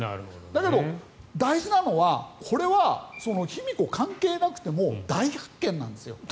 だけど、大事なのはこれは卑弥呼関係なくても大発見なんですよ。